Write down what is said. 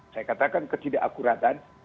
saya katakan ketidakakuratan